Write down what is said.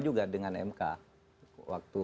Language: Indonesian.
juga dengan mk waktu